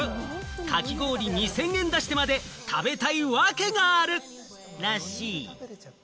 かき氷、２０００円出してまで食べたいワケがあるらしい。